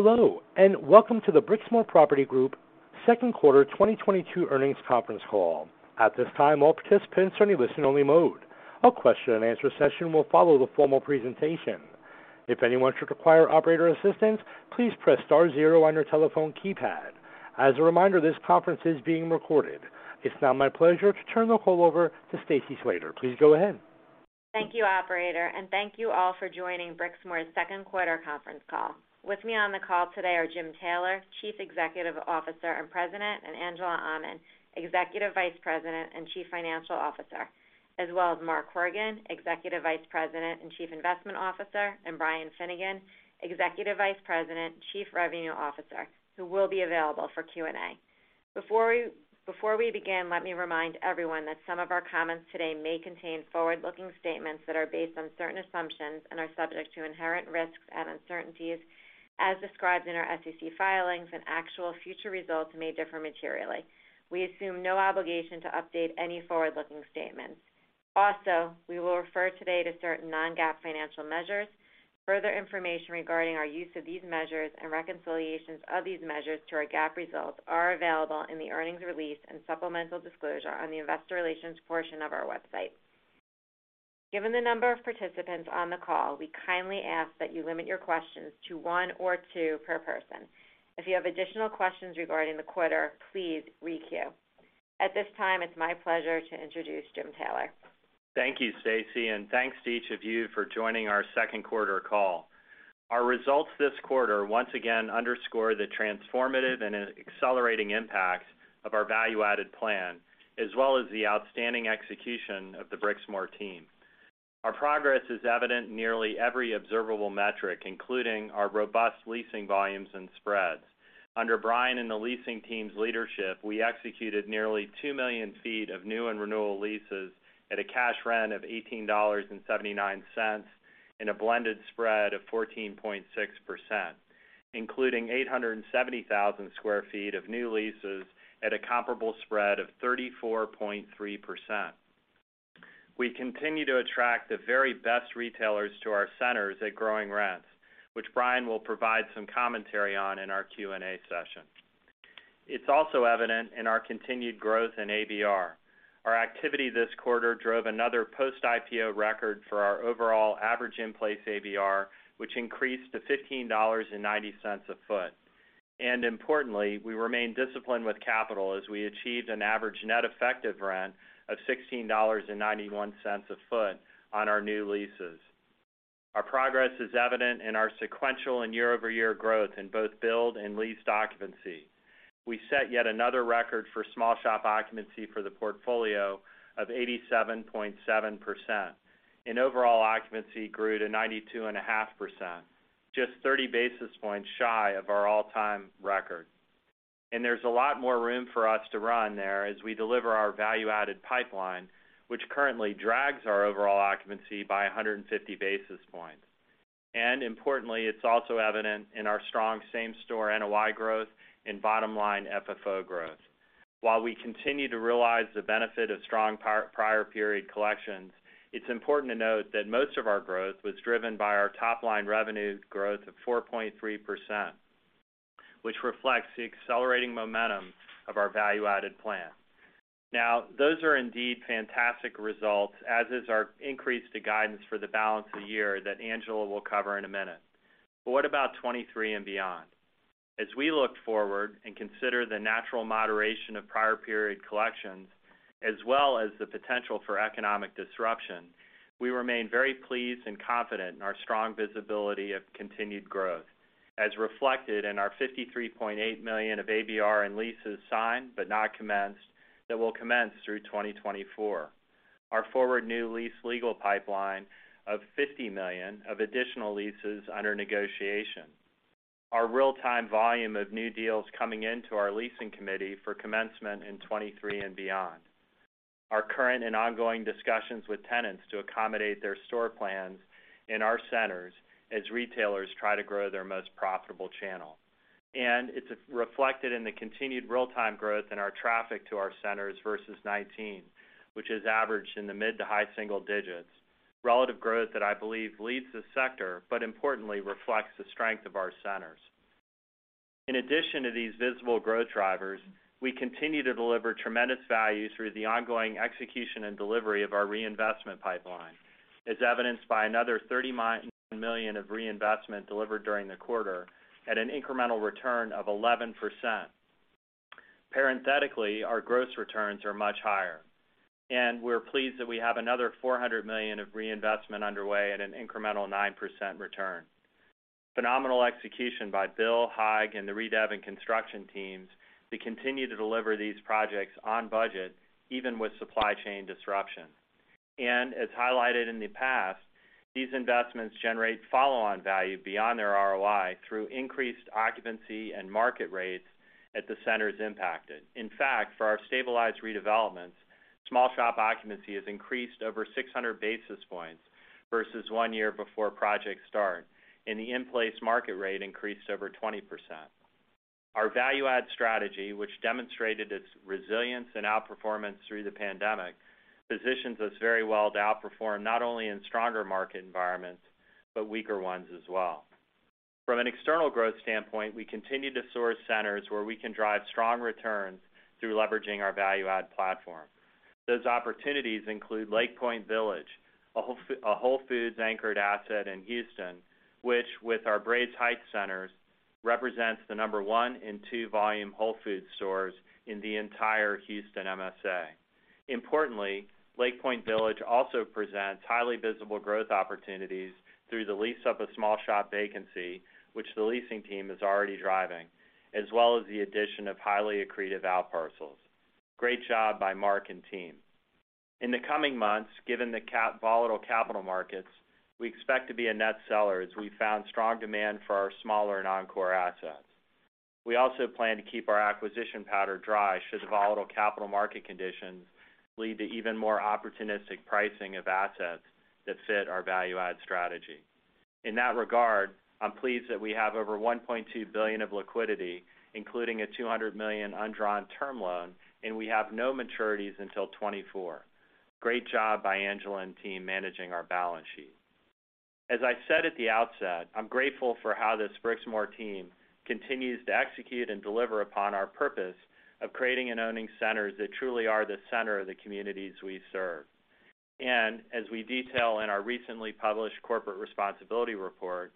Hello, and welcome to the Brixmor Property Group second quarter 2022 earnings conference call. At this time, all participants are in a listen-only mode. A question-and-answer session will follow the formal presentation. If anyone should require operator assistance, please press star zero on your telephone keypad. As a reminder, this conference is being recorded. It's now my pleasure to turn the call over to Stacy Slater. Please go ahead. Thank you, operator, and thank you all for joining Brixmor's second quarter conference call. With me on the call today are Jim Taylor, Chief Executive Officer and President, and Angela Aman, Executive Vice President and Chief Financial Officer, as well as Mark Horgan, Executive Vice President and Chief Investment Officer, and Brian Finnegan, Executive Vice President, Chief Revenue Officer, who will be available for Q&A. Before we begin, let me remind everyone that some of our comments today may contain forward-looking statements that are based on certain assumptions and are subject to inherent risks and uncertainties as described in our SEC filings and actual future results may differ materially. We assume no obligation to update any forward-looking statements. Also, we will refer today to certain non-GAAP financial measures. Further information regarding our use of these measures and reconciliations of these measures to our GAAP results are available in the earnings release and supplemental disclosure on the investor relations portion of our website. Given the number of participants on the call, we kindly ask that you limit your questions to one or two per person. If you have additional questions regarding the quarter, please re-queue. At this time, it's my pleasure to introduce Jim Taylor. Thank you, Stacy, and thanks to each of you for joining our second quarter call. Our results this quarter once again underscore the transformative and accelerating impact of our value-added plan, as well as the outstanding execution of the Brixmor team. Our progress is evident in nearly every observable metric, including our robust leasing volumes and spreads. Under Brian and the leasing team's leadership, we executed nearly 2 million sq ft of new and renewal leases at a cash rent of $18.79 and a blended spread of 14.6%, including 870,000 sq ft of new leases at a comparable spread of 34.3%. We continue to attract the very best retailers to our centers at growing rents, which Brian will provide some commentary on in our Q&A session. It's also evident in our continued growth in ABR. Our activity this quarter drove another post-IPO record for our overall average in-place ABR, which increased to $15.90 a ft. Importantly, we remain disciplined with capital as we achieved an average net effective rent of $16.91 a ft on our new leases. Our progress is evident in our sequential and year-over-year growth in both build and leased occupancy. We set yet another record for small shop occupancy for the portfolio of 87.7%, and overall occupancy grew to 92.5%, just 30 basis points shy of our all-time record. There's a lot more room for us to run there as we deliver our value-added pipeline, which currently drags our overall occupancy by 150 basis points. Importantly, it's also evident in our strong same-store NOI growth and bottom-line FFO growth. While we continue to realize the benefit of strong prior period collections, it's important to note that most of our growth was driven by our top-line revenue growth of 4.3%, which reflects the accelerating momentum of our value-added plan. Now, those are indeed fantastic results, as is our increase to guidance for the balance of the year that Angela will cover in a minute. What about 2023 and beyond? As we look forward and consider the natural moderation of prior period collections as well as the potential for economic disruption, we remain very pleased and confident in our strong visibility of continued growth, as reflected in our $53.8 million of ABR and leases signed but not commenced that will commence through 2024. Our forward new lease legal pipeline of $50 million of additional leases under negotiation. Our real-time volume of new deals coming into our leasing committee for commencement in 2023 and beyond. Our current and ongoing discussions with tenants to accommodate their store plans in our centers as retailers try to grow their most profitable channel. It's reflected in the continued real-time growth in our traffic to our centers versus 2019, which has averaged in the mid to high single digits, relative growth that I believe leads the sector, but importantly reflects the strength of our centers. In addition to these visible growth drivers, we continue to deliver tremendous value through the ongoing execution and delivery of our reinvestment pipeline, as evidenced by another $30 million of reinvestment delivered during the quarter at an incremental return of 11%. Parenthetically, our gross returns are much higher. We're pleased that we have another $400 million of reinvestment underway at an incremental 9% return. Phenomenal execution by Bill Brown, Haig Buchakjian, and the redev and construction teams to continue to deliver these projects on budget, even with supply chain disruption. As highlighted in the past, these investments generate follow-on value beyond their ROI through increased occupancy and market rates at the centers impacted. In fact, for our stabilized redevelopments, small shop occupancy has increased over 600 basis points versus one year before project start, and the in-place market rate increased over 20%. Our value-add strategy, which demonstrated its resilience and outperformance through the pandemic, positions us very well to outperform not only in stronger market environments, but weaker ones as well. From an external growth standpoint, we continue to source centers where we can drive strong returns through leveraging our value-add platform. Those opportunities include Lake Pointe Village, a Whole Foods anchored asset in Houston, which with our Braes Heights centers, represents the 1 and 2 volume Whole Foods stores in the entire Houston MSA. Importantly, Lake Pointe Village also presents highly visible growth opportunities through the lease up of small shop vacancy, which the leasing team is already driving, as well as the addition of highly accretive outparcels. Great job by Mark and team. In the coming months, given the volatile capital markets, we expect to be a net seller as we found strong demand for our smaller non-core assets. We also plan to keep our acquisition powder dry should the volatile capital market conditions lead to even more opportunistic pricing of assets that fit our value-add strategy. In that regard, I'm pleased that we have over $1.2 billion of liquidity, including a $200 million undrawn term loan, and we have no maturities until 2024. Great job by Angela and team managing our balance sheet. As I said at the outset, I'm grateful for how this Brixmor team continues to execute and deliver upon our purpose of creating and owning centers that truly are the center of the communities we serve. As we detail in our recently published corporate responsibility report,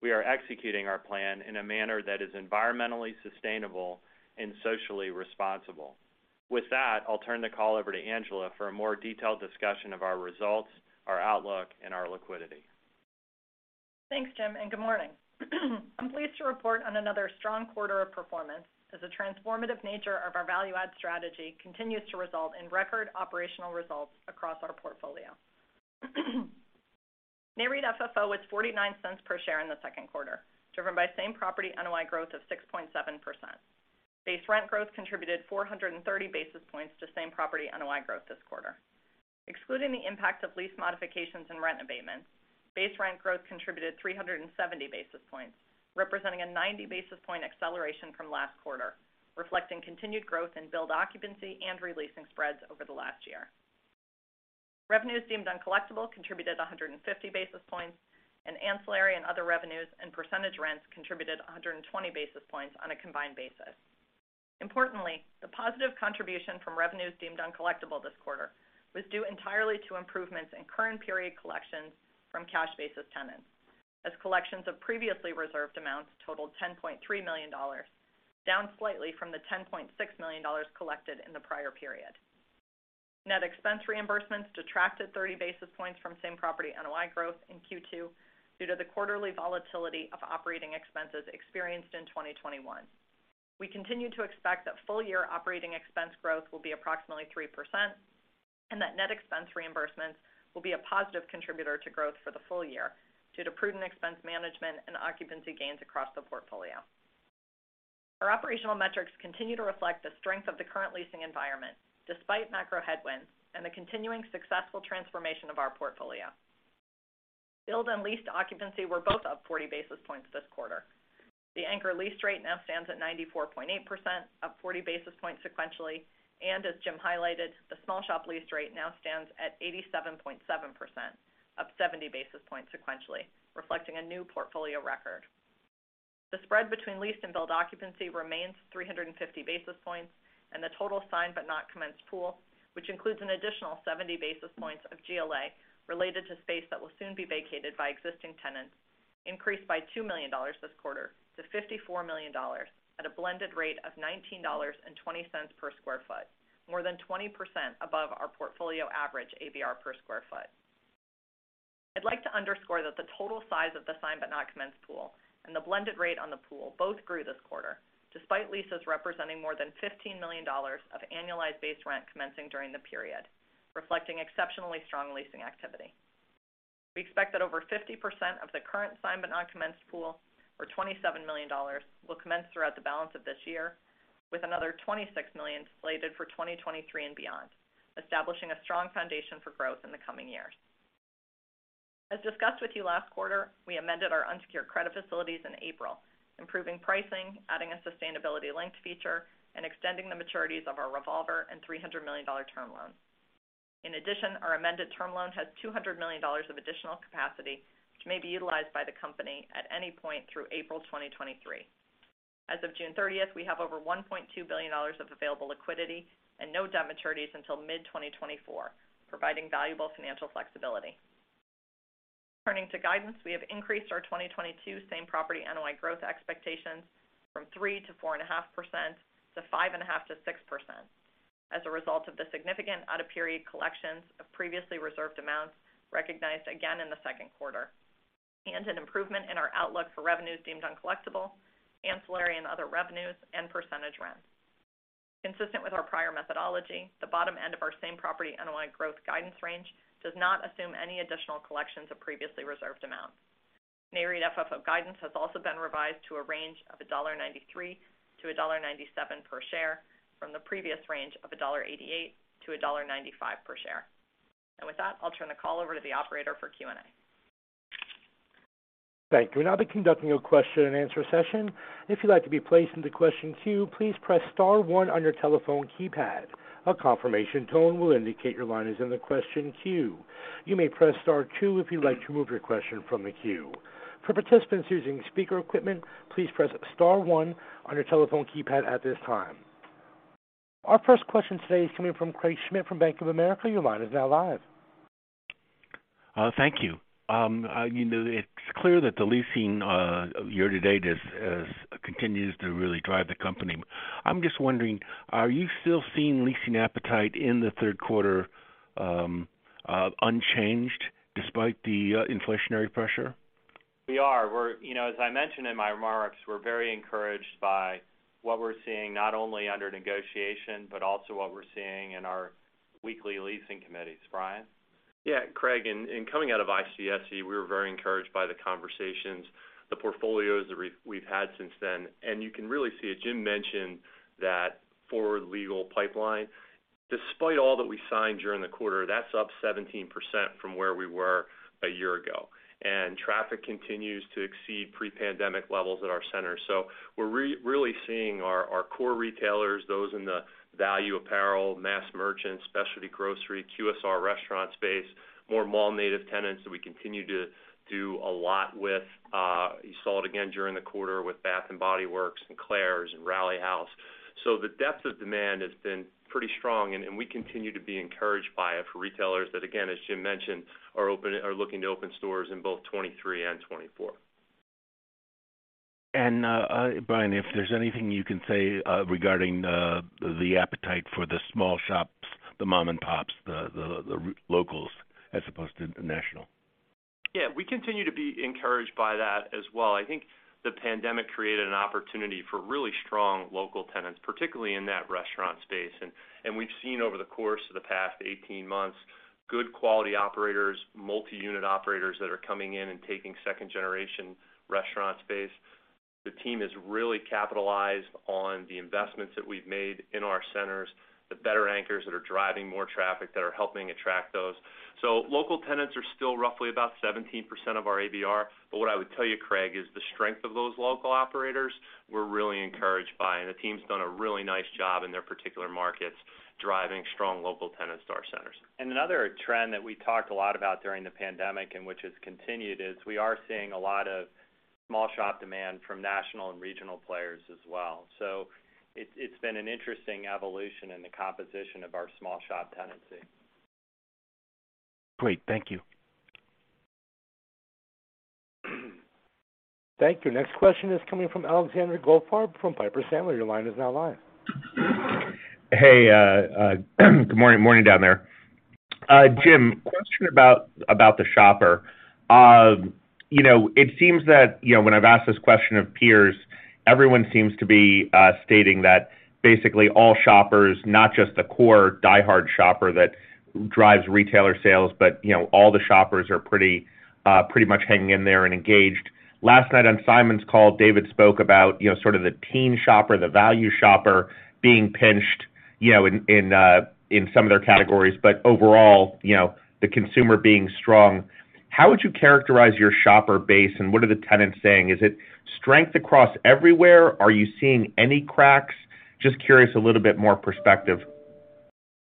we are executing our plan in a manner that is environmentally sustainable and socially responsible. With that, I'll turn the call over to Angela for a more detailed discussion of our results, our outlook, and our liquidity. Thanks, Jim, and good morning. I'm pleased to report on another strong quarter of performance as the transformative nature of our value add strategy continues to result in record operational results across our portfolio. Nareit FFO was $0.49 per share in the second quarter, driven by same-property NOI growth of 6.7%. Base rent growth contributed 430 basis points to same-property NOI growth this quarter. Excluding the impact of lease modifications and rent abatements, base rent growth contributed 370 basis points, representing a 90 basis point acceleration from last quarter, reflecting continued growth in leased occupancy and re-leasing spreads over the last year. Revenues deemed uncollectible contributed 150 basis points, and ancillary and other revenues and percentage rents contributed 120 basis points on a combined basis. Importantly, the positive contribution from revenues deemed uncollectible this quarter was due entirely to improvements in current period collections from cash basis tenants, as collections of previously reserved amounts totaled $10.3 million, down slightly from the $10.6 million collected in the prior period. Net expense reimbursements detracted thirty basis points from same-property NOI growth in Q2 due to the quarterly volatility of operating expenses experienced in 2021. We continue to expect that full year operating expense growth will be approximately 3%, and that net expense reimbursements will be a positive contributor to growth for the full year due to prudent expense management and occupancy gains across the portfolio. Our operational metrics continue to reflect the strength of the current leasing environment despite macro headwinds and the continuing successful transformation of our portfolio. Build and leased occupancy were both up 40 basis points this quarter. The anchor lease rate now stands at 94.8%, up 40 basis points sequentially. As Jim highlighted, the small shop lease rate now stands at 87.7%, up 70 basis points sequentially, reflecting a new portfolio record. The spread between leased and build occupancy remains 350 basis points, and the total signed but not commenced pool, which includes an additional 70 basis points of GLA related to space that will soon be vacated by existing tenants, increased by $2 million this quarter to $54 million at a blended rate of $19.20 per sq ft, more than 20% above our portfolio average ABR per sq ft. I'd like to underscore that the total size of the signed but not commenced pool and the blended rate on the pool both grew this quarter, despite leases representing more than $15 million of annualized base rent commencing during the period, reflecting exceptionally strong leasing activity. We expect that over 50% of the current signed but not commenced pool, or $27 million, will commence throughout the balance of this year, with another $26 million slated for 2023 and beyond, establishing a strong foundation for growth in the coming years. As discussed with you last quarter, we amended our unsecured credit facilities in April, improving pricing, adding a sustainability linked feature, and extending the maturities of our revolver and $300 million term loan. In addition, our amended term loan has $200 million of additional capacity, which may be utilized by the company at any point through April 2023. As of June 30, we have over $1.2 billion of available liquidity and no debt maturities until mid-2024, providing valuable financial flexibility. Turning to guidance, we have increased our 2022 same-property NOI growth expectations from 3%-4.5% to 5.5%-6% as a result of the significant out-of-period collections of previously reserved amounts recognized again in the second quarter, and an improvement in our outlook for revenues deemed uncollectible, ancillary and other revenues, and percentage rents. Consistent with our prior methodology, the bottom end of our same-property NOI growth guidance range does not assume any additional collections of previously reserved amounts. Nareit FFO guidance has also been revised to a range of $1.93-$1.97 per share from the previous range of $1.88-$1.95 per share. With that, I'll turn the call over to the operator for Q&A. Thank you. We'll now be conducting a question-and-answer session. If you'd like to be placed into question queue, please press star one on your telephone keypad. A confirmation tone will indicate your line is in the question queue. You may press star two if you'd like to remove your question from the queue. For participants using speaker equipment, please press star one on your telephone keypad at this time. Our first question today is coming from Craig Schmidt from Bank of America. Your line is now live. Thank you. You know, it's clear that the leasing year-to-date continues to really drive the company. I'm just wondering, are you still seeing leasing appetite in the third quarter, unchanged despite the inflationary pressure? We are. You know, as I mentioned in my remarks, we're very encouraged by what we're seeing not only under negotiation, but also what we're seeing in our weekly leasing committees. Brian? Yeah, Craig, in coming out of ICSC, we were very encouraged by the conversations, the portfolios that we've had since then. You can really see it. Jim mentioned that forward leasing pipeline. Despite all that we signed during the quarter, that's up 17% from where we were a year ago, and traffic continues to exceed pre-pandemic levels at our center. We're really seeing our core retailers, those in the value apparel, mass merchants, specialty grocery, QSR restaurant space, more mall-native tenants that we continue to do a lot with. You saw it again during the quarter with Bath & Body Works and Claire's and Rally House. The depth of demand has been pretty strong, and we continue to be encouraged by it for retailers that, again, as Jim mentioned, are looking to open stores in both 2023 and 2024. Brian, if there's anything you can say regarding the appetite for the small shops, the mom and pops, the locals as opposed to the national? Yeah, we continue to be encouraged by that as well. I think the pandemic created an opportunity for really strong local tenants, particularly in that restaurant space. We've seen over the course of the past 18 months, good quality operators, multi-unit operators that are coming in and taking second-generation restaurant space. The team has really capitalized on the investments that we've made in our centers, the better anchors that are driving more traffic, that are helping attract those. Local tenants are still roughly about 17% of our ABR. What I would tell you, Craig, is the strength of those local operators, we're really encouraged by, and the team's done a really nice job in their particular markets, driving strong local tenants to our centers. Another trend that we talked a lot about during the pandemic and which has continued is we are seeing a lot of small shop demand from national and regional players as well. It's been an interesting evolution in the composition of our small shop tenancy. Great. Thank you. Thank you. Next question is coming from Alexander Goldfarb from Piper Sandler. Your line is now live. Hey, good morning. Morning down there. Jim, question about the shopper. You know, it seems that, you know, when I've asked this question of peers, everyone seems to be stating that basically all shoppers, not just the core diehard shopper that drives retailer sales, but, you know, all the shoppers are pretty much hanging in there and engaged. Last night on Simon's call, David spoke about, you know, sort of the teen shopper, the value shopper being pinched, you know, in some of their categories, but overall, you know, the consumer being strong. How would you characterize your shopper base, and what are the tenants saying? Is it strength across everywhere? Are you seeing any cracks? Just curious, a little bit more perspective.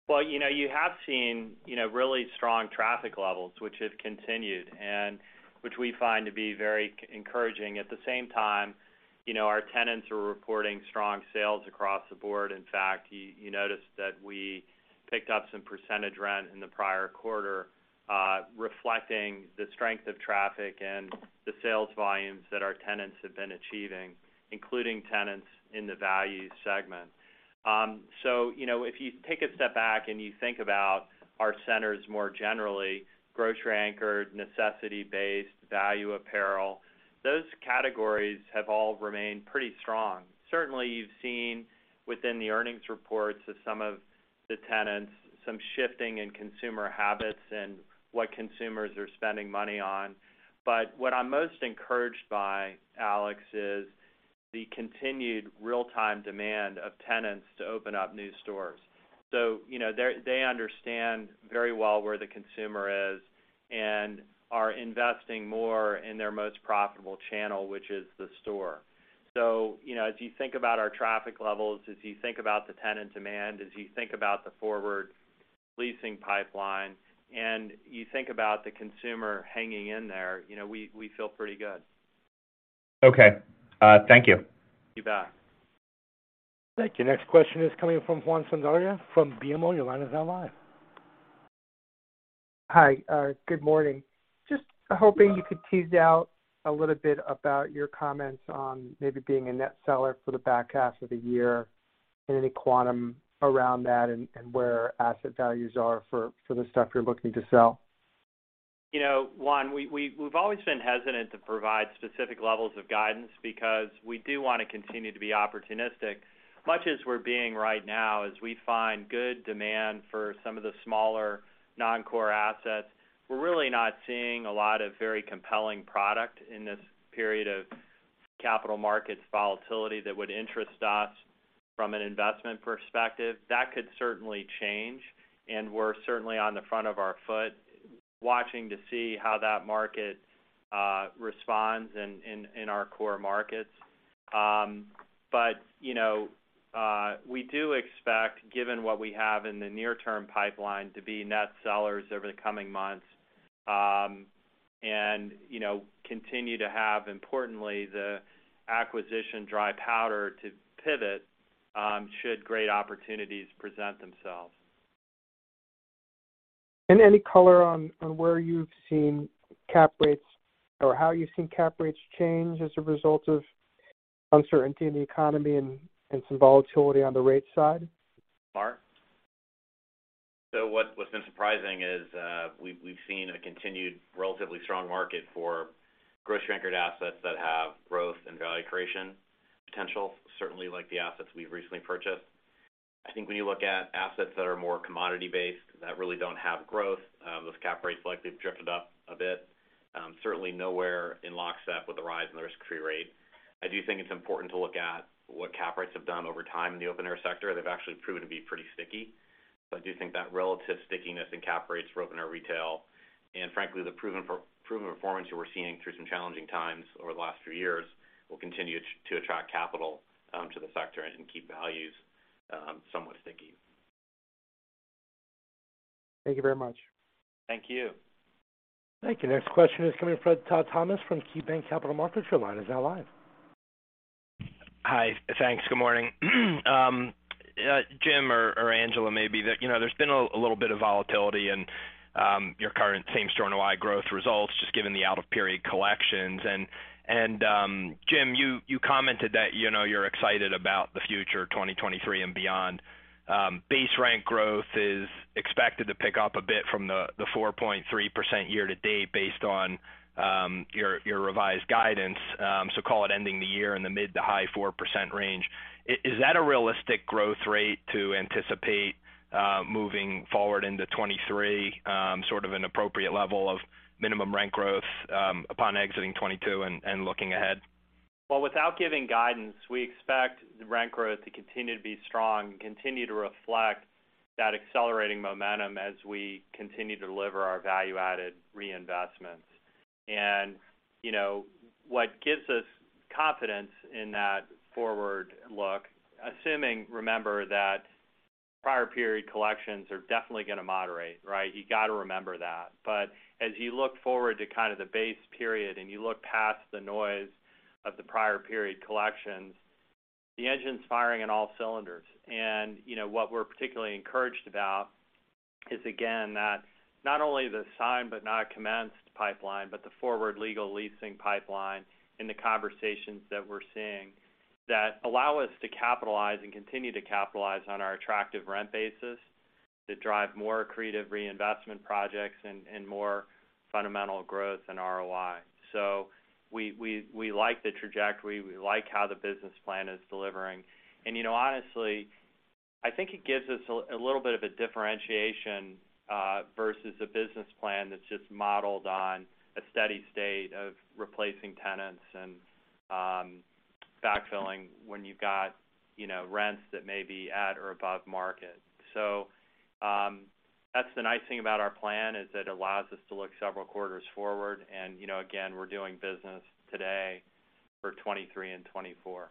Well, you know, you have seen, you know, really strong traffic levels, which have continued and which we find to be very encouraging. At the same time, you know, our tenants are reporting strong sales across the board. In fact, you noticed that we picked up some percentage rent in the prior quarter, reflecting the strength of traffic and the sales volumes that our tenants have been achieving, including tenants in the value segment. So, you know, if you take a step back and you think about our centers more generally, grocery-anchored, necessity-based, value apparel, those categories have all remained pretty strong. Certainly, you've seen within the earnings reports of some of the tenants, some shifting in consumer habits and what consumers are spending money on. But what I'm most encouraged by, Alex, is the continued real-time demand of tenants to open up new stores. You know, they understand very well where the consumer is and are investing more in their most profitable channel, which is the store. You know, as you think about our traffic levels, as you think about the tenant demand, as you think about the forward leasing pipeline, and you think about the consumer hanging in there, you know, we feel pretty good. Okay. Thank you. You bet. Thank you. Next question is coming from Juan Sanabria from BMO. Your line is now live. Hi. Good morning. Just hoping you could tease out a little bit about your comments on maybe being a net seller for the back half of the year and any quantum around that and where asset values are for the stuff you're looking to sell. You know, Juan, we've always been hesitant to provide specific levels of guidance because we do wanna continue to be opportunistic. Much as we're being right now, as we find good demand for some of the smaller non-core assets, we're really not seeing a lot of very compelling product in this period of capital markets volatility that would interest us. From an investment perspective, that could certainly change, and we're certainly on the front of our foot watching to see how that market responds in our core markets. You know, we do expect, given what we have in the near term pipeline to be net sellers over the coming months, and, you know, continue to have importantly, the acquisition dry powder to pivot, should great opportunities present themselves. Any color on where you've seen cap rates or how you've seen cap rates change as a result of uncertainty in the economy and some volatility on the rate side? Mark? What's been surprising is, we've seen a continued relatively strong market for grocery-anchored assets that have growth and value creation potential, certainly like the assets we've recently purchased. I think when you look at assets that are more commodity based that really don't have growth, those cap rates likely have drifted up a bit, certainly nowhere in lockstep with the rise in the risk-free rate. I do think it's important to look at what cap rates have done over time in the open-air sector. They've actually proven to be pretty sticky. I do think that relative stickiness in cap rates for open-air retail, and frankly, the proven performance that we're seeing through some challenging times over the last few years will continue to attract capital to the sector and keep values somewhat sticky. Thank you very much. Thank you. Thank you. Next question is coming from Todd Thomas from KeyBanc Capital Markets. Your line is now live. Hi. Thanks. Good morning. Jim or Angela, maybe the you know, there's been a little bit of volatility in your current same-store NOI growth results just given the out of period collections. Jim, you commented that, you know, you're excited about the future 2023 and beyond. Base rent growth is expected to pick up a bit from the 4.3% year to date based on your revised guidance. Call it ending the year in the mid- to high-4% range. Is that a realistic growth rate to anticipate moving forward into 2023, sort of an appropriate level of minimum rent growth upon exiting 2022 and looking ahead? Well, without giving guidance, we expect the rent growth to continue to be strong and continue to reflect that accelerating momentum as we continue to deliver our value-added reinvestments. You know, what gives us confidence in that forward look, assuming, remember, that prior period collections are definitely gonna moderate, right? You got to remember that. As you look forward to kind of the base period, and you look past the noise of the prior period collections, the engine's firing on all cylinders. You know, what we're particularly encouraged about is, again, that not only the signed but not commenced pipeline, but the forward legal leasing pipeline and the conversations that we're seeing that allow us to capitalize and continue to capitalize on our attractive rent basis to drive more accretive reinvestment projects and more fundamental growth in ROI. We like the trajectory. We like how the business plan is delivering. You know, honestly, I think it gives us a little bit of a differentiation versus a business plan that's just modeled on a steady state of replacing tenants and backfilling when you've got, you know, rents that may be at or above market. That's the nice thing about our plan, is it allows us to look several quarters forward. You know, again, we're doing business today for 2023 and 2024.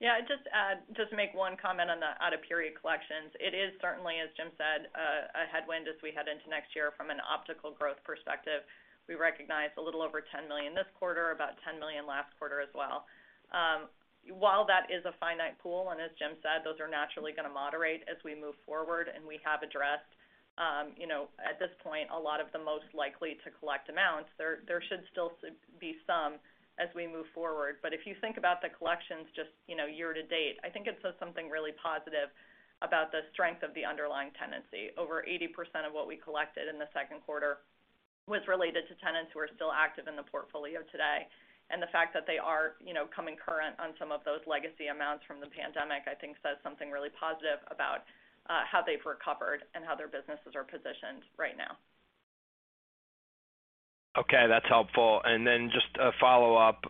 Yeah. I'd just add just make one comment on the out of period collections. It is certainly, as Jim said, a headwind as we head into next year from an organic growth perspective. We recognized a little over $10 million this quarter, about $10 million last quarter as well. While that is a Finite Pool, and as Jim said, those are naturally gonna moderate as we move forward, and we have addressed, you know, at this point, a lot of the most likely to collect amounts. There should still be some as we move forward. But if you think about the collections just, you know, year to date, I think it says something really positive about the strength of the underlying tenancy. Over 80% of what we collected in the second quarter was related to tenants who are still active in the portfolio today. The fact that they are, you know, coming current on some of those legacy amounts from the pandemic, I think says something really positive about how they've recovered and how their businesses are positioned right now. Okay. That's helpful. Just a follow-up.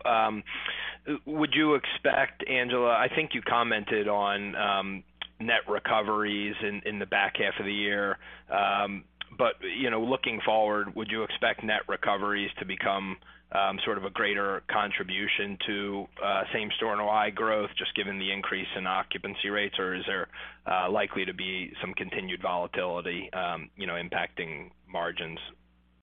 Would you expect, Angela, I think you commented on net recoveries in the back half of the year. You know, looking forward, would you expect net recoveries to become sort of a greater contribution to same store NOI growth just given the increase in occupancy rates? Or is there likely to be some continued volatility, you know, impacting margins?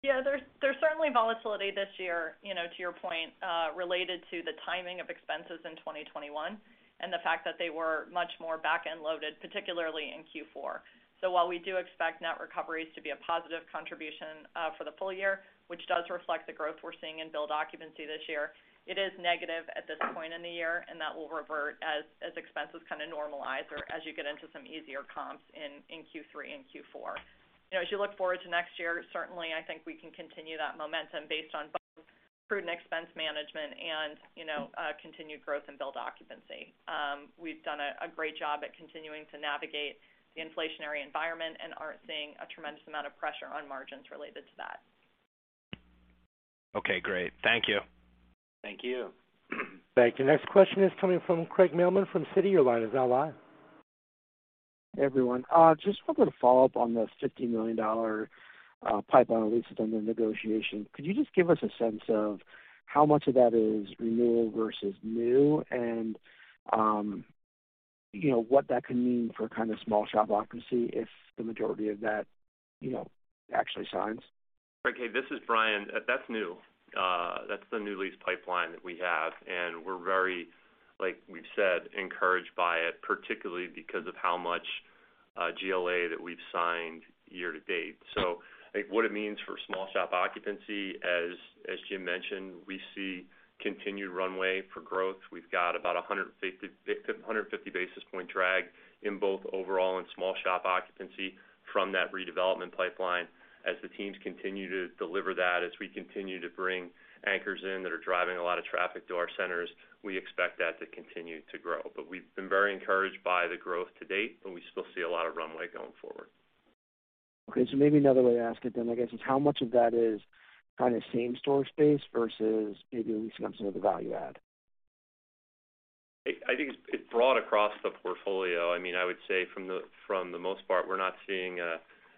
Yeah. There's certainly volatility this year, you know, to your point, related to the timing of expenses in 2021 and the fact that they were much more back-end loaded, particularly in Q4. While we do expect net recoveries to be a positive contribution for the full year, which does reflect the growth we're seeing in build occupancy this year, it is negative at this point in the year, and that will revert as expenses kind of normalize or as you get into some easier comps in Q3 and Q4. You know, as you look forward to next year, certainly, I think we can continue that momentum based on both prudent expense management and, you know, continued growth in build occupancy. We've done a great job at continuing to navigate the inflationary environment and aren't seeing a tremendous amount of pressure on margins related to that. Okay, great. Thank you. Thank you. Thank you. Next question is coming from Craig Mailman from Citi. Your line is now live. Everyone, just wanted to follow up on the $50 million pipeline lease that's under negotiation. Could you just give us a sense of how much of that is renewal versus new and, you know, what that can mean for kind of small shop occupancy if the majority of that, you know, actually signs? Okay, this is Brian. That's new. That's the new lease pipeline that we have, and we're very, like we've said, encouraged by it, particularly because of how much GLA that we've signed year-to-date. Like, what it means for small shop occupancy, as Jim mentioned, we see continued runway for growth. We've got about 150 basis point drag in both overall and small shop occupancy from that redevelopment pipeline. As the teams continue to deliver that, as we continue to bring anchors in that are driving a lot of traffic to our centers, we expect that to continue to grow. We've been very encouraged by the growth to date, and we still see a lot of runway going forward. Okay. Maybe another way to ask it then, I guess, is how much of that is kind of same store space versus maybe leasing up some of the value add? I think it's broad across the portfolio. I mean, I would say from the most part, we're not seeing.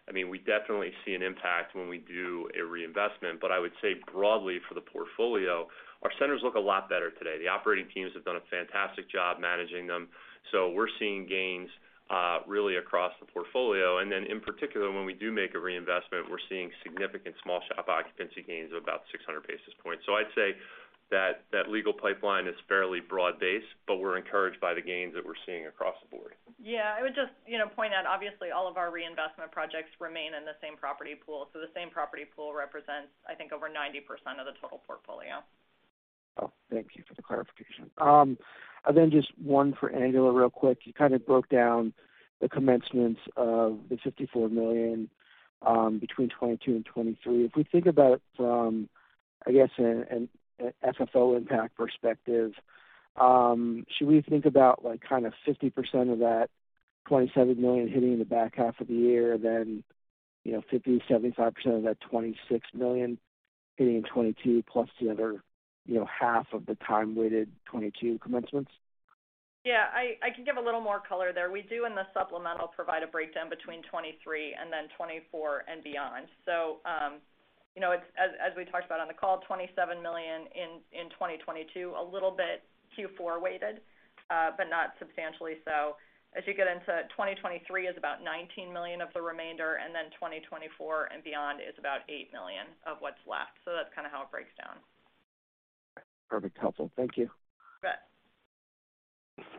I mean, we definitely see an impact when we do a reinvestment. I would say broadly for the portfolio, our centers look a lot better today. The operating teams have done a fantastic job managing them. We're seeing gains really across the portfolio. In particular, when we do make a reinvestment, we're seeing significant small shop occupancy gains of about 600 basis points. I'd say that leasing pipeline is fairly broad-based, but we're encouraged by the gains that we're seeing across the board. Yeah. I would just, you know, point out, obviously, all of our reinvestment projects remain in the same property pool. The same property pool represents, I think, over 90% of the total portfolio. Oh, thank you for the clarification. Just one for Angela real quick. You kind of broke down the commencements of the $54 million between 2022 and 2023. If we think about it from, I guess, an FFO impact perspective, should we think about, like kind of 50% of that $27 million hitting in the back half of the year, 50%-75% of that $26 million hitting in 2022 plus the other half of the time-weighted 2022 commencements? Yeah. I can give a little more color there. We do in the supplemental provide a breakdown between 2023 and then 2024 and beyond. You know, it's as we talked about on the call, $27 million in 2022, a little bit Q4 weighted, but not substantially so. As you get into 2023 is about $19 million of the remainder, and then 2024 and beyond is about $8 million of what's left. That's kind of how it breaks down. Perfect. Helpful. Thank you. You bet.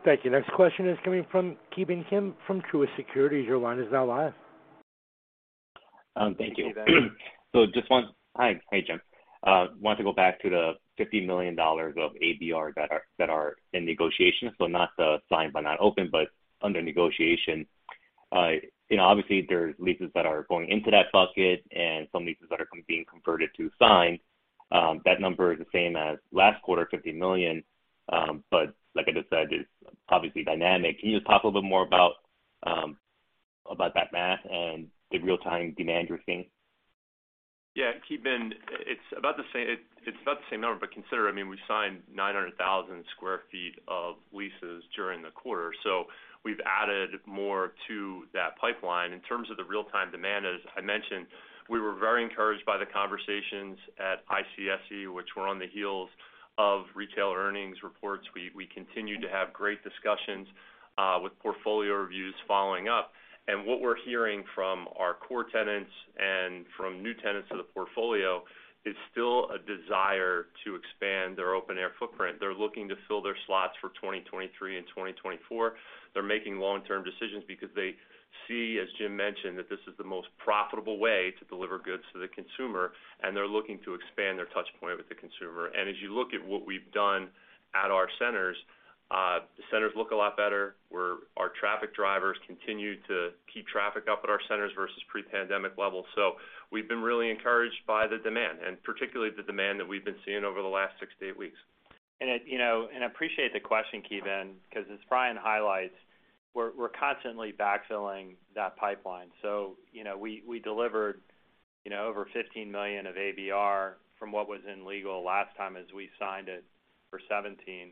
Thank you. Next question is coming from Ki Bin Kim from Truist Securities. Your line is now live. Thank you. Hey, there. Hi. Hey, Jim. Wanted to go back to the $50 million of ABR that are in negotiation, so not the signed but not open, but under negotiation. You know, obviously there are leases that are going into that bucket and some leases that are being converted to signed. That number is the same as last quarter, $50 million. Like I just said, it's obviously dynamic. Can you just talk a little bit more about that math and the real-time demand you're seeing? Yeah, Ki Bin, it's about the same number. Consider, I mean, we signed 900,000 sq ft of leases during the quarter, so we've added more to that pipeline. In terms of the real-time demand, as I mentioned, we were very encouraged by the conversations at ICSC, which were on the heels of retail earnings reports. We continue to have great discussions with portfolio reviews following up. What we're hearing from our core tenants and from new tenants to the portfolio is still a desire to expand their open air footprint. They're looking to fill their slots for 2023 and 2024. They're making long-term decisions because they see, as Jim mentioned, that this is the most profitable way to deliver goods to the consumer, and they're looking to expand their touch point with the consumer. As you look at what we've done at our centers, the centers look a lot better. Our traffic drivers continue to keep traffic up at our centers versus pre-pandemic levels. We've been really encouraged by the demand and particularly the demand that we've been seeing over the last 6 weeks-8 weeks. I appreciate the question, Ki Bin, because as Brian highlights, we're constantly backfilling that pipeline. You know, we delivered over $15 million of ABR from what was in legal last time as we signed it for $17 million,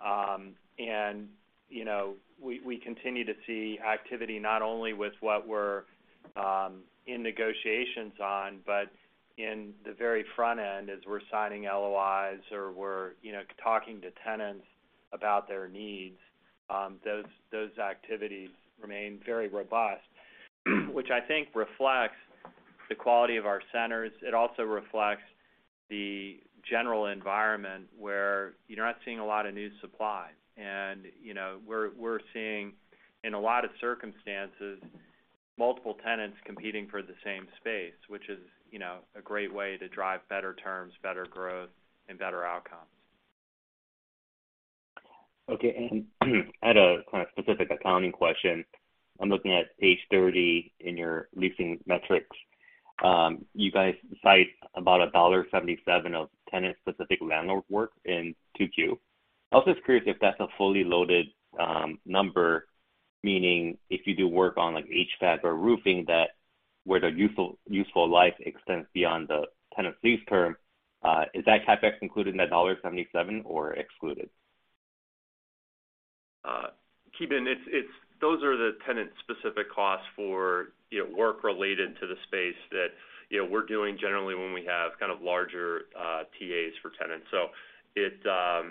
excuse me. You know, we continue to see activity not only with what we're in negotiations on, but in the very front end as we're signing LOIs or we're talking to tenants about their needs. Those activities remain very robust, which I think reflects the quality of our centers. It also reflects the general environment where you're not seeing a lot of new supply. You know, we're seeing, in a lot of circumstances, multiple tenants competing for the same space, which is, you know, a great way to drive better terms, better growth, and better outcomes. Okay. I had a kind of specific accounting question. I'm looking at page 30 in your leasing metrics. You guys cite about $1.77 of tenant-specific landlord work in 2Q. I was just curious if that's a fully loaded number. Meaning if you do work on like HVAC or roofing that, where the useful life extends beyond the tenant's lease term, is that CapEx included in that $77 or excluded? It's those are the tenant-specific costs for, you know, work related to the space that, you know, we're doing generally when we have kind of larger TAs for tenants.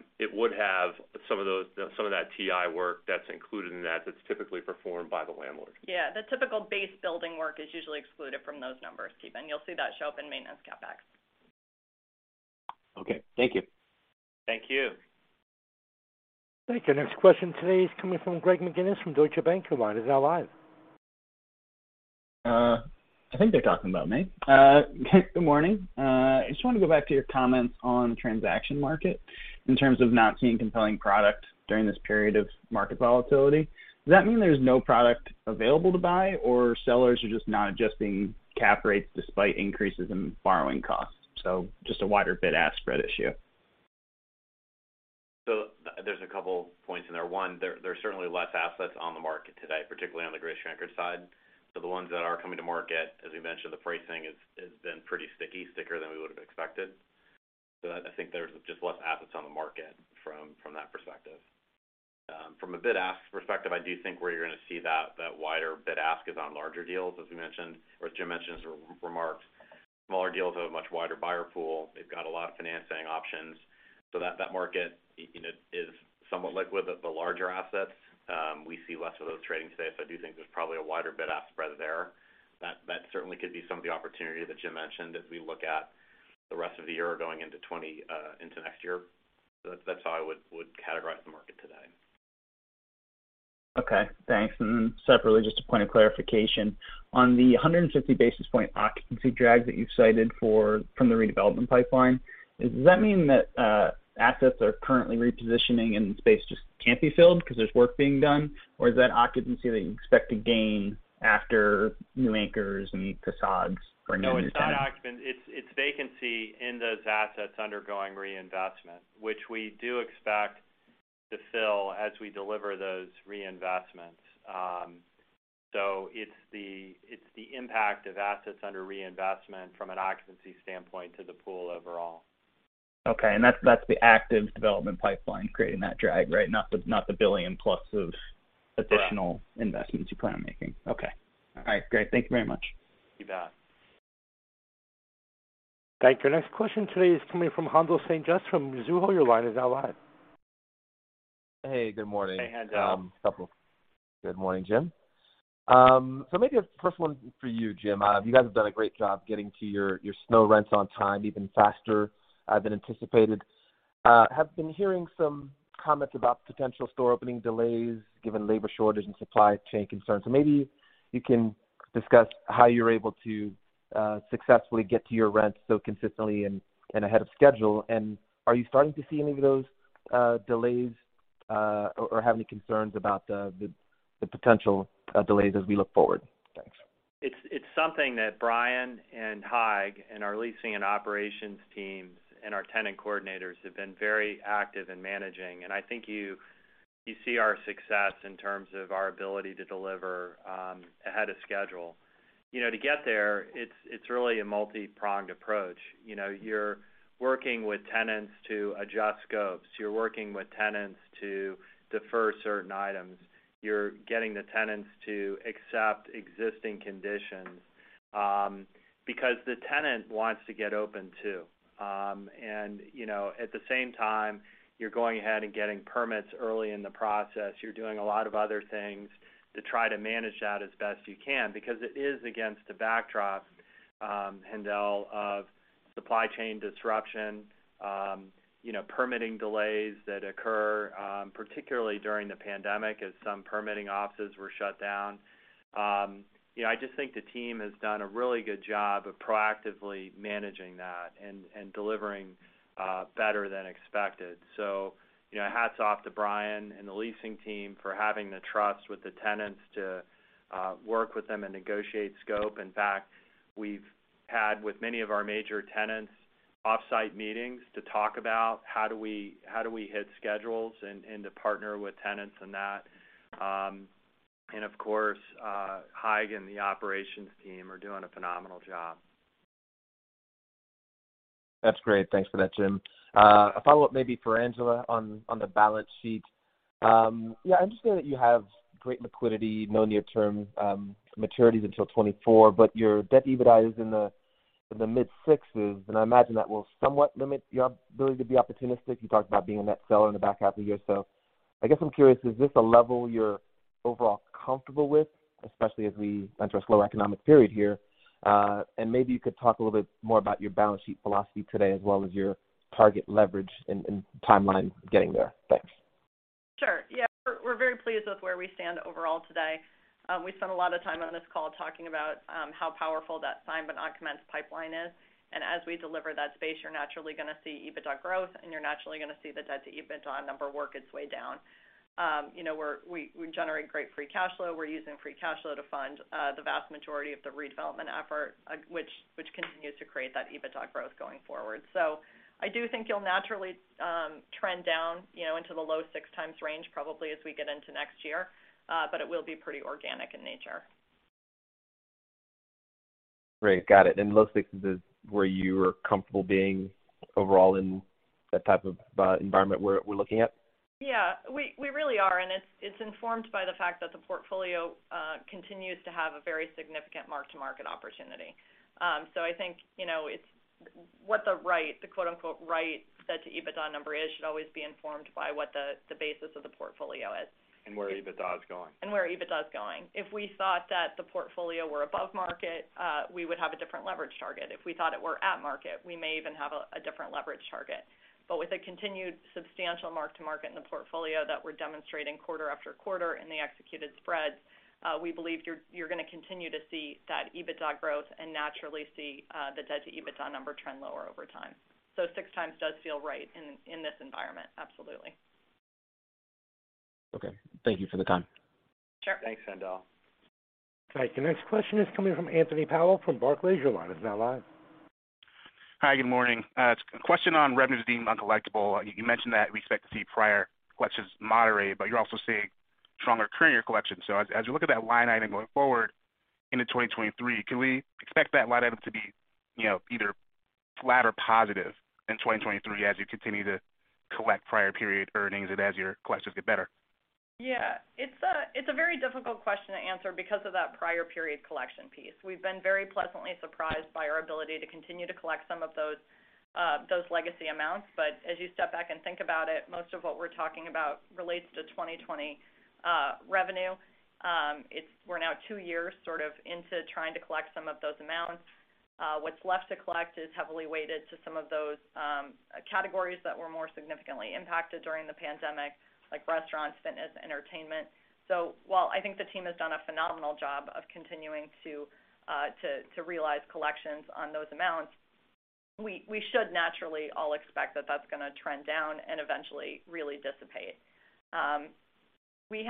It would have some of that TI work that's included in that's typically performed by the landlord. Yeah. The typical base building work is usually excluded from those numbers, Ki Bin. You'll see that show up in maintenance CapEx. Okay. Thank you. Thank you. Thank you. Next question today is coming from Greg McGinniss from Scotiabank. Your line is now live. I think they're talking about me. Good morning. I just wanna go back to your comments on transaction market in terms of not seeing compelling product during this period of market volatility. Does that mean there's no product available to buy, or sellers are just not adjusting cap rates despite increases in borrowing costs? Just a wider bid-ask spread issue. There's a couple points in there. One, there's certainly less assets on the market today, particularly on the grocery-anchored side. The ones that are coming to market, as we mentioned, the pricing has been pretty sticky, stickier than we would've expected. I think there's just less assets on the market from that perspective. From a bid-ask perspective, I do think where you're gonna see that wider bid-ask is on larger deals, as we mentioned, or as Jim mentioned or remarked. Smaller deals have a much wider buyer pool. They've got a lot of financing options. That market, you know, is somewhat liquid. But the larger assets, we see less of those trading today. I do think there's probably a wider bid-ask spread there. That certainly could be some of the opportunity that Jim mentioned as we look at the rest of the year going into 2020, into next year. That's how I would categorize the market today. Okay. Thanks. Separately, just a point of clarification. On the 150 basis point occupancy drag that you've cited from the redevelopment pipeline, does that mean that assets are currently repositioning and space just can't be filled because there's work being done, or is that occupancy that you expect to gain after new anchors and PSAGs or new tenants? No, it's not occupancy. It's vacancy in those assets undergoing reinvestment, which we do expect to fill as we deliver those reinvestments. It's the impact of assets under reinvestment from an occupancy standpoint to the pool overall. Okay. That's the active development pipeline creating that drag, right? Not the billion plus of- Correct. Additional investments you plan on making. Okay. All right. Great. Thank you very much. You bet. Thank you. Our next question today is coming from Haendel St. Juste from Mizuho. Your line is now live. Hey, good morning. Hey, Haendel. Good morning, Jim. Maybe a first one for you, Jim. You guys have done a great job getting to your new rents on time, even faster than anticipated. I've been hearing some comments about potential store opening delays given labor shortage and supply chain concerns. Maybe you can discuss how you're able to successfully get to your rent so consistently and ahead of schedule. Are you starting to see any of those delays or have any concerns about the potential delays as we look forward? Thanks. It's something that Brian and Haig and our leasing and operations teams and our tenant coordinators have been very active in managing, and I think you see our success in terms of our ability to deliver ahead of schedule. You know, to get there, it's really a multi-pronged approach. You know, you're working with tenants to adjust scopes. You're working with tenants to defer certain items. You're getting the tenants to accept existing conditions, because the tenant wants to get open, too. You know, at the same time, you're going ahead and getting permits early in the process. You're doing a lot of other things to try to manage that as best you can because it is against the backdrop, Haendel, of supply chain disruption, you know, permitting delays that occur, particularly during the pandemic as some permitting offices were shut down. You know, I just think the team has done a really good job of proactively managing that and delivering better than expected. You know, hats off to Brian and the leasing team for having the trust with the tenants to work with them and negotiate scope. In fact, we've had with many of our major tenants off-site meetings to talk about how do we hit schedules and to partner with tenants on that. Of course, Haig and the operations team are doing a phenomenal job. That's great. Thanks for that, Jim. A follow-up maybe for Angela on the balance sheet. Yeah, I understand that you have great liquidity, no near-term maturities until 2024, but your debt EBITDA is in the mid-sixes, and I imagine that will somewhat limit your ability to be opportunistic. You talked about being a net seller in the back half of the year. I guess I'm curious, is this a level you're overall comfortable with, especially as we enter a slow economic period here? And maybe you could talk a little bit more about your balance sheet philosophy today, as well as your target leverage and timeline getting there. Thanks. Sure. Yeah. We're very pleased with where we stand overall today. We spent a lot of time on this call talking about how powerful that signed but not commenced pipeline is. As we deliver that space, you're naturally gonna see EBITDA growth, and you're naturally gonna see the debt-to-EBITDA number work its way down. You know, we generate great free cash flow. We're using free cash flow to fund the vast majority of the redevelopment effort, which continues to create that EBITDA growth going forward. I do think you'll naturally trend down, you know, into the low 6x range probably as we get into next year, but it will be pretty organic in nature. Great. Got it. Low six is where you are comfortable being overall in that type of environment we're looking at? Yeah. We really are, and it's informed by the fact that the portfolio continues to have a very significant mark-to-market opportunity. I think, you know, it's what the right, the quote-unquote right debt-to-EBITDA number is, should always be informed by what the basis of the portfolio is. Where EBITDA is going. Where EBITDA is going. If we thought that the portfolio were above market, we would have a different leverage target. If we thought it were at market, we may even have a different leverage target. With a continued substantial mark to market in the portfolio that we're demonstrating quarter after quarter in the executed spreads, we believe you're gonna continue to see that EBITDA growth and naturally see the debt-to-EBITDA number trend lower over time. 6x does feel right in this environment. Absolutely. Okay. Thank you for the time. Sure. Thanks, Haendel St. Juste. All right. The next question is coming from Anthony Powell from Barclays. Your line is now live. Hi, good morning. It's a question on revenues deemed uncollectible. You mentioned that we expect to see prior collections moderate, but you're also seeing stronger current year collections. As you look at that line item going forward into 2023, can we expect that line item to be, you know, either flat or positive in 2023 as you continue to collect prior period earnings and as your collections get better? Yeah. It's a very difficult question to answer because of that prior period collection piece. We've been very pleasantly surprised by our ability to continue to collect some of those legacy amounts. As you step back and think about it, most of what we're talking about relates to 2020 revenue. We're now two years sort of into trying to collect some of those amounts. What's left to collect is heavily weighted to some of those categories that were more significantly impacted during the pandemic, like restaurants, fitness, entertainment. While I think the team has done a phenomenal job of continuing to realize collections on those amounts, we should naturally all expect that that's gonna trend down and eventually really dissipate. We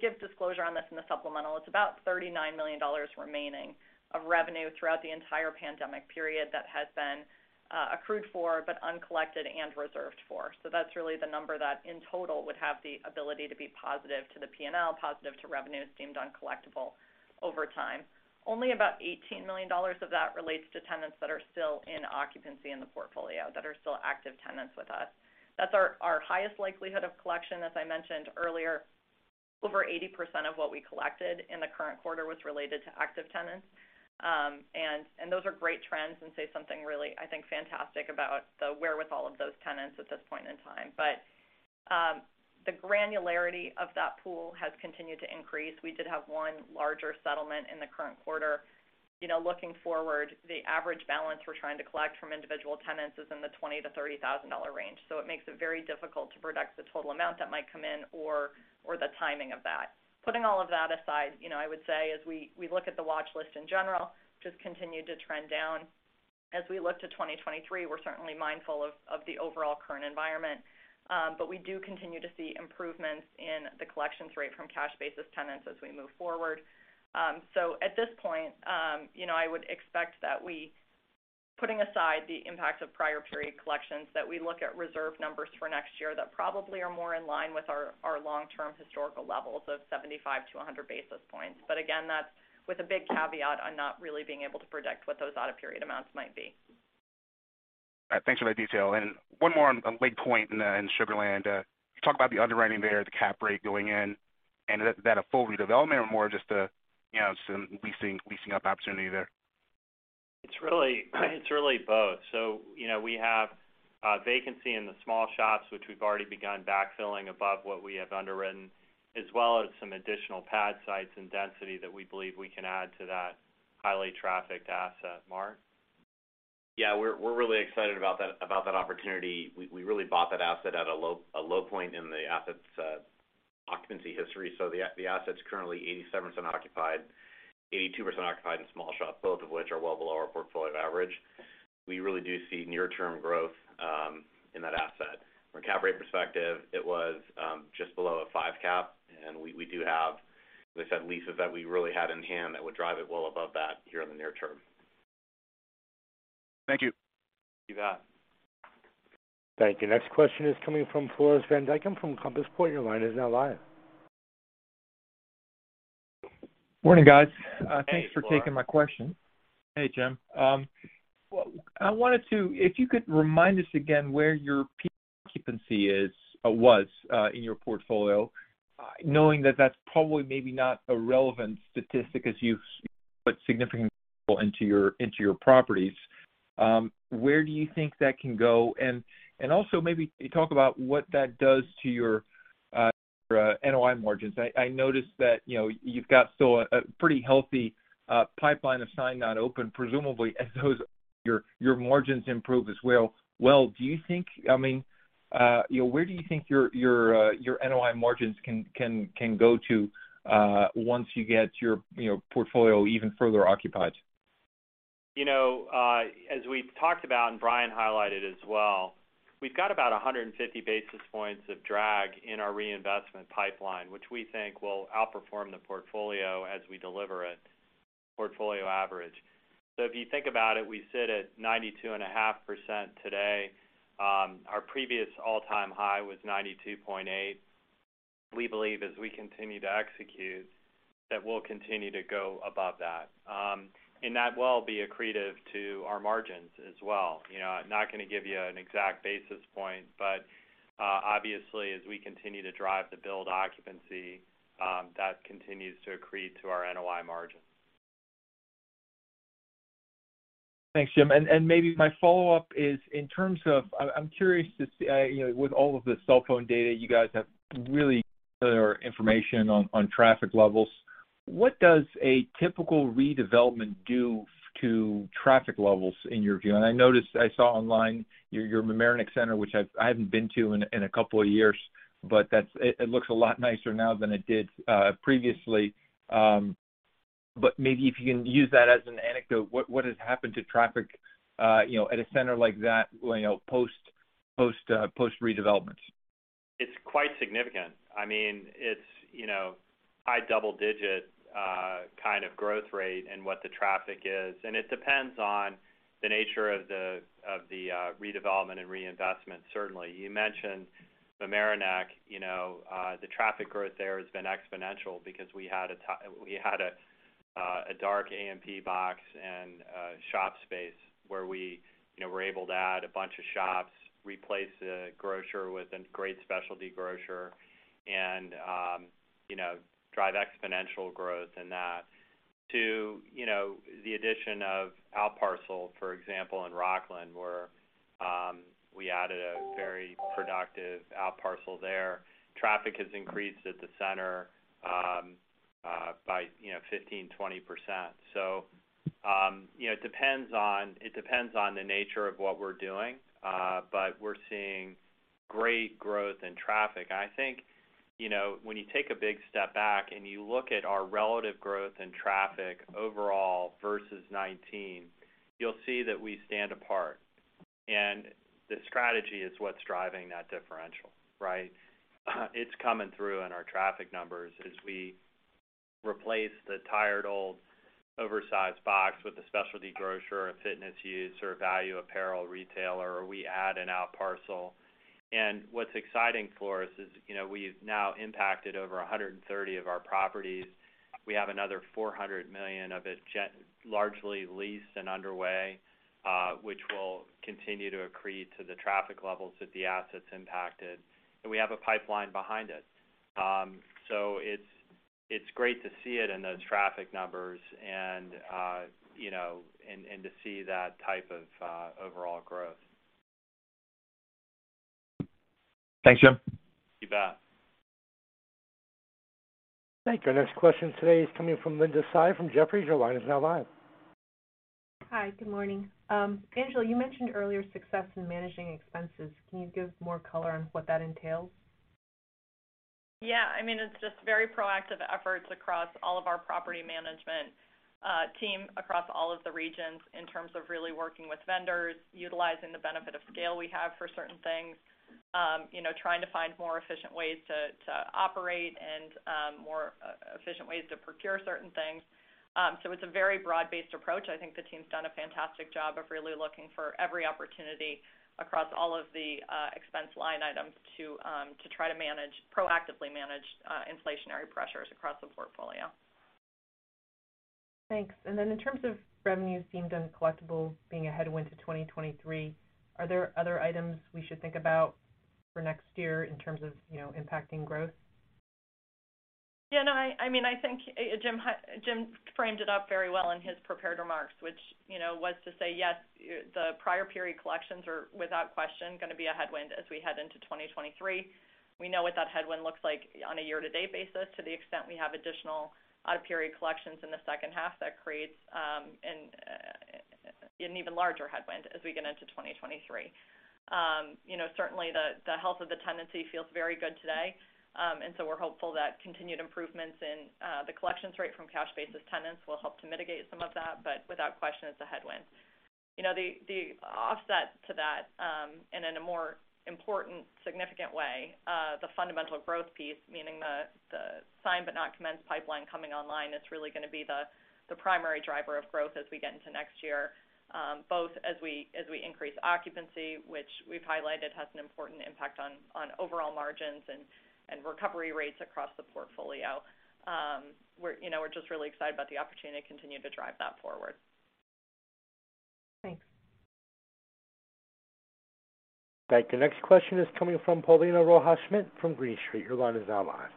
give disclosure on this in the supplemental. It's about $39 million remaining of revenue throughout the entire pandemic period that has been accrued for, but uncollected and reserved for. That's really the number that in total would have the ability to be positive to the P&L, positive to revenues deemed uncollectible over time. Only about $18 million of that relates to tenants that are still in occupancy in the portfolio, that are still active tenants with us. That's our highest likelihood of collection. As I mentioned earlier, over 80% of what we collected in the current quarter was related to active tenants. And those are great trends and say something really, I think, fantastic about the wherewithal of those tenants at this point in time. The granularity of that pool has continued to increase. We did have one larger settlement in the current quarter. You know, looking forward, the average balance we're trying to collect from individual tenants is in the $20,000-$30,000 range. It makes it very difficult to predict the total amount that might come in or the timing of that. Putting all of that aside, you know, I would say as we look at the watch list in general, just continued to trend down. As we look to 2023, we're certainly mindful of the overall current environment. We do continue to see improvements in the collections rate from cash basis tenants as we move forward. At this point, you know, I would expect that, putting aside the impact of prior period collections, we look at reserve numbers for next year that probably are more in line with our long-term historical levels of 75 basis points-100 basis points. Again, that's with a big caveat on not really being able to predict what those out-of-period amounts might be. All right. Thanks for that detail. One more on Lake Pointe in Sugar Land. You talked about the underwriting there, the cap rate going in. Is that a full redevelopment or more just a, you know, some leasing up opportunity there? It's really both. You know, we have vacancy in the small shops, which we've already begun backfilling above what we have underwritten, as well as some additional pad sites and density that we believe we can add to that highly trafficked asset. Mark. Yeah. We're really excited about that opportunity. We really bought that asset at a low point in the asset's occupancy history. The asset's currently 87% occupied, 82% occupied in small shops, both of which are well below our portfolio average. We really do see near-term growth in that asset. From a cap rate perspective, it was just below a 5 cap, and we do have, as I said, leases that we really had in hand that would drive it well above that here in the near term. Thank you. You bet. Thank you. Next question is coming from Floris van Dijkum from Compass Point. Your line is now live. Morning, guys. Hey, Floris. Thanks for taking my question. Hey, Jim. I wanted to if you could remind us again where your peak occupancy was in your portfolio, knowing that that's probably maybe not a relevant statistic as you've put significant capital into your properties. Where do you think that can go? And also maybe talk about what that does to your NOI margins. I noticed that, you know, you've got still a pretty healthy pipeline of signed-not-open, presumably as those your margins improve as well. Well, do you think I mean, you know, where do you think your NOI margins can go to once you get your portfolio even further occupied? You know, as we've talked about and Brian highlighted as well, we've got about 150 basis points of drag in our reinvestment pipeline, which we think will outperform the portfolio as we deliver it, portfolio average. If you think about it, we sit at 92.5% today. Our previous all-time high was 92.8%. We believe as we continue to execute, that we'll continue to go above that. And that will be accretive to our margins as well. You know, I'm not gonna give you an exact basis point, but, obviously, as we continue to drive the build occupancy, that continues to accrete to our NOI margin. Thanks, Jim. Maybe my follow-up is in terms of. I'm curious to see, you know, with all of the cell phone data, you guys have really clear information on traffic levels. What does a typical redevelopment do to traffic levels in your view? I noticed. I saw online your Mamaroneck Centre, which I haven't been to in a couple of years, but it looks a lot nicer now than it did previously. But maybe if you can use that as an anecdote, what has happened to traffic, you know, at a center like that, you know, post redevelopment? It's quite significant. I mean, it's, you know, high double digit kind of growth rate in what the traffic is. It depends on the nature of the redevelopment and reinvestment, certainly. You mentioned Mamaroneck, you know, the traffic growth there has been exponential because we had a we had a dark A&P box and a shop space where we, you know, were able to add a bunch of shops, replace the grocer with a great specialty grocer, and, you know, drive exponential growth in that. To, you know, the addition of outparcel, for example, in Rockland, where, we added a very productive outparcel there. Traffic has increased at the center, by, you know, 15%-20%. It depends on the nature of what we're doing, but we're seeing great growth in traffic. I think, you know, when you take a big step back and you look at our relative growth in traffic overall versus 2019, you'll see that we stand apart. The strategy is what's driving that differential, right? It's coming through in our traffic numbers as we replace the tired, old, oversized box with a specialty grocer, a fitness use or a value apparel retailer, or we add an outparcel. What's exciting for us is, you know, we've now impacted over 130 of our properties. We have another $400 million of it largely leased and underway, which will continue to accrete to the traffic levels that the assets impacted. We have a pipeline behind it. It's great to see it in those traffic numbers and you know and to see that type of overall growth. Thanks, Jim. You bet. Thank you. Our next question today is coming from Linda Tsai from Jefferies. Your line is now live. Hi. Good morning. Angela, you mentioned earlier success in managing expenses. Can you give more color on what that entails? Yeah, I mean, it's just very proactive efforts across all of our property management team, across all of the regions in terms of really working with vendors, utilizing the benefit of scale we have for certain things, you know, trying to find more efficient ways to operate and more efficient ways to procure certain things. It's a very broad-based approach. I think the team's done a fantastic job of really looking for every opportunity across all of the expense line items to proactively manage inflationary pressures across the portfolio. Thanks. Then in terms of revenues deemed uncollectible being a headwind to 2023, are there other items we should think about for next year in terms of, you know, impacting growth? Yeah, no, I mean, I think Jim framed it up very well in his prepared remarks, which, you know, was to say, yes, the prior period collections are, without question, gonna be a headwind as we head into 2023. We know what that headwind looks like on a year-to-date basis. To the extent we have additional out-of-period collections in the second half, that creates an even larger headwind as we get into 2023. You know, certainly the health of the tenancy feels very good today. We're hopeful that continued improvements in the collections rate from cash-basis tenants will help to mitigate some of that. Without question, it's a headwind. You know, the offset to that, and in a more important, significant way, the fundamental growth piece, meaning the signed but not commenced pipeline coming online is really gonna be the primary driver of growth as we get into next year, both as we increase occupancy, which we've highlighted has an important impact on overall margins and recovery rates across the portfolio. You know, we're just really excited about the opportunity to continue to drive that forward. Thanks. Thank you. Next question is coming from Paulina Rojas-Schmidt from Green Street. Your line is now live.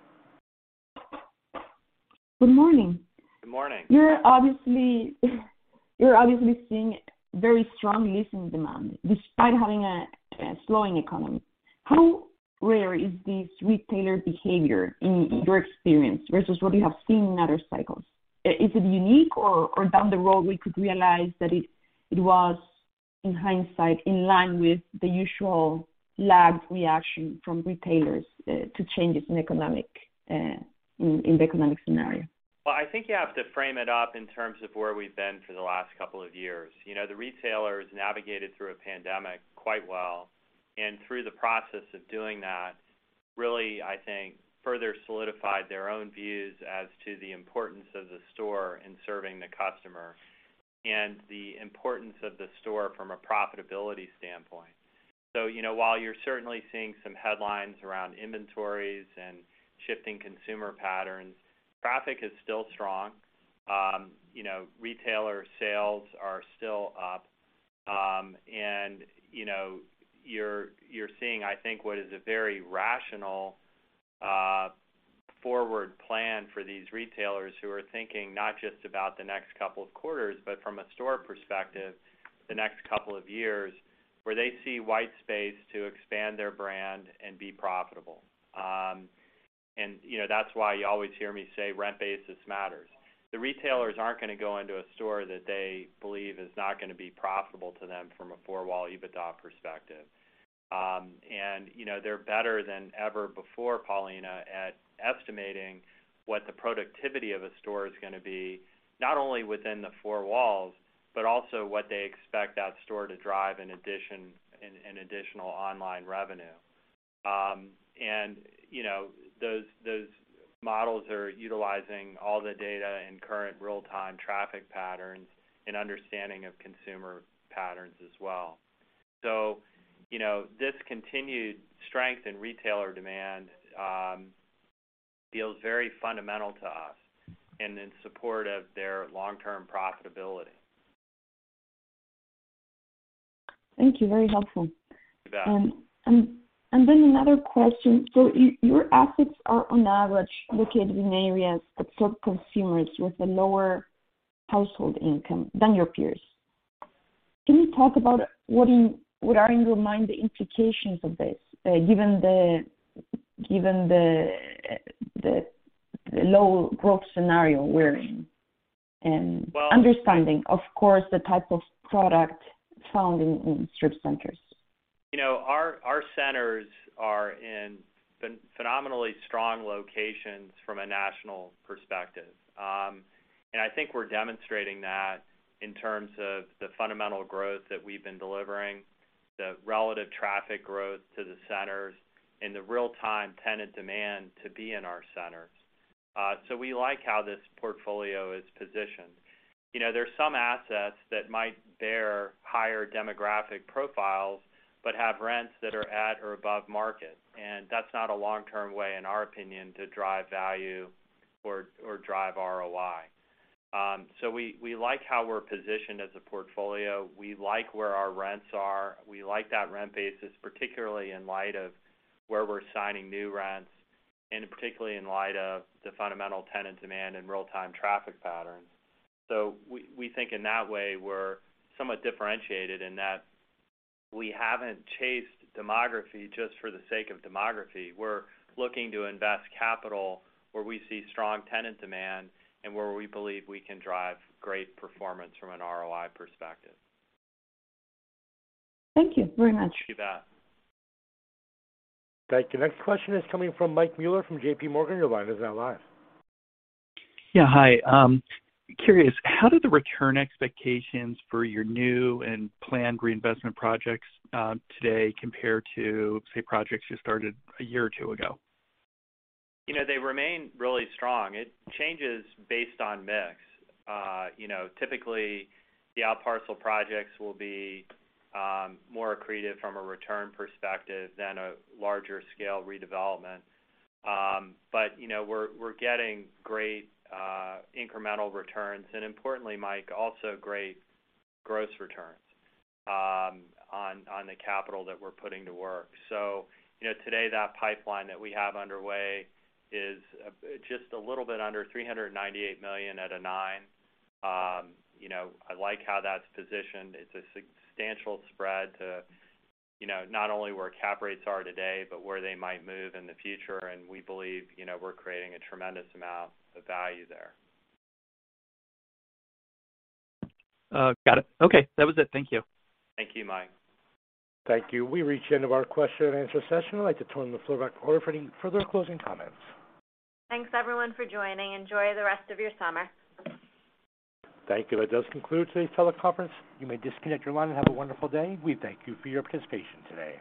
Good morning. Good morning. You're obviously seeing very strong leasing demand despite having a slowing economy. How rare is this retailer behavior in your experience versus what you have seen in other cycles? Is it unique or down the road, we could realize that it was, in hindsight, in line with the usual lagged reaction from retailers to changes in the economic scenario? Well, I think you have to frame it up in terms of where we've been for the last couple of years. You know, the retailers navigated through a pandemic quite well, and through the process of doing that, really, I think, further solidified their own views as to the importance of the store in serving the customer. The importance of the store from a profitability standpoint. You know, while you're certainly seeing some headlines around inventories and shifting consumer patterns, traffic is still strong. You know, retailer sales are still up. You know, you're seeing, I think, what is a very rational, forward plan for these retailers who are thinking not just about the next couple of quarters, but from a store perspective, the next couple of years, where they see white space to expand their brand and be profitable. You know, that's why you always hear me say, rent base matters. The retailers aren't gonna go into a store that they believe is not gonna be profitable to them from a four-wall EBITDA perspective. You know, they're better than ever before, Paulina, at estimating what the productivity of a store is gonna be, not only within the four walls, but also what they expect that store to drive in additional online revenue. You know, those models are utilizing all the data and current real-time traffic patterns and understanding of consumer patterns as well. You know, this continued strength in retailer demand feels very fundamental to us and in support of their long-term profitability. Thank you. Very helpful. You bet. Another question. Your assets are on average located in areas that serve consumers with a lower household income than your peers. Can you talk about what are in your mind the implications of this, given the low growth scenario we're in? Well. Understanding, of course, the type of product found in strip centers? You know, our centers are in phenomenally strong locations from a national perspective. I think we're demonstrating that in terms of the fundamental growth that we've been delivering, the relative traffic growth to the centers, and the real-time tenant demand to be in our centers. We like how this portfolio is positioned. You know, there's some assets that might bear higher demographic profiles, but have rents that are at or above market. That's not a long-term way, in our opinion, to drive value or drive ROI. We like how we're positioned as a portfolio. We like where our rents are. We like that rent basis, particularly in light of where we're signing new rents and particularly in light of the fundamental tenant demand and real-time traffic patterns. We think in that way we're somewhat differentiated in that we haven't chased demographics just for the sake of demographics. We're looking to invest capital where we see strong tenant demand and where we believe we can drive great performance from an ROI perspective. Thank you very much. You bet. Thank you. Next question is coming from Michael Mueller from JP Morgan. Your line is now live. Yeah. Hi. Curious, how did the return expectations for your new and planned reinvestment projects today compare to, say, projects you started a year or two ago? You know, they remain really strong. It changes based on mix. You know, typically the out parcel projects will be more accretive from a return perspective than a larger scale redevelopment. But you know, we're getting great incremental returns and importantly, Mike, also great gross returns on the capital that we're putting to work. You know, today that pipeline that we have underway is just a little bit under $398 million at a 9. You know, I like how that's positioned. It's a substantial spread to you know, not only where cap rates are today, but where they might move in the future. We believe you know, we're creating a tremendous amount of value there. Got it. Okay. That was it. Thank you. Thank you, Mike. Thank you. We reached the end of our question and answer session. I'd like to turn the floor back over for any further closing comments. Thanks everyone for joining. Enjoy the rest of your summer. Thank you. That does conclude today's teleconference. You may disconnect your line and have a wonderful day. We thank you for your participation today.